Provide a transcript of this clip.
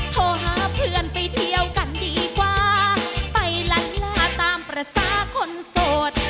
โทรหาเพื่อนไปเที่ยวกันดีกว่าไปล้านลาตามภาษาคนโสด